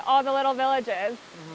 ini menarik untuk berada di sini